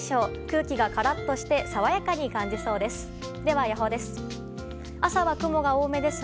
空気はカラッとして爽やかに感じそうです。